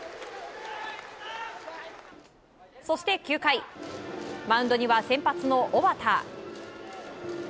そして９回マウンドには先発の小畠。